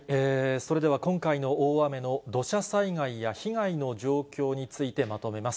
それでは、今回の大雨の土砂災害や被害の状況についてまとめます。